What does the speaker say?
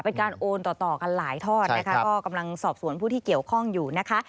เป็นการโอนต่อต่อกันหลายทอดนะคะก็กำลังสอบสวนผู้ที่เกี่ยวข้องอยู่นะคะ